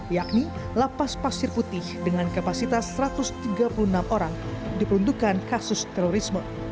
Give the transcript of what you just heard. yakni lapas pasir putih dengan kapasitas satu ratus tiga puluh enam orang diperuntukkan kasus terorisme